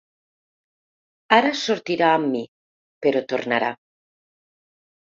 Ara sortirà amb mi, però tornarà.